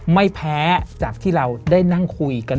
ไม่แพ้จากที่เราได้นั่งคุยกัน